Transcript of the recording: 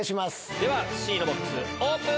ではＣのボックス、オープン！